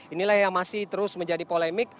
inilah yang masih terus menjadi polemik